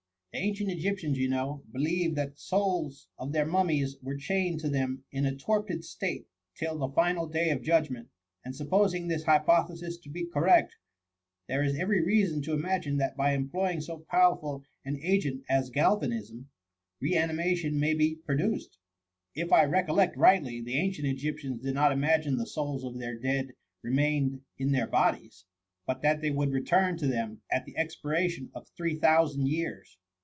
The ancient Egyptians F 6 106 THE MUMMY* you know^ believed that the souls of their mum mies were chained to them in a torpid state till the final day of judgment, and supposing this hypothesis to be correct, there is every reason to imagine that by employing so powerful an agent as galvanism, re^animation may be pro duced." " If I recollect rightly, the ancient Egyptians did not imagine the souls of their dead re mained in their bodies, but that they would return to them at the expiration of three thou sand years.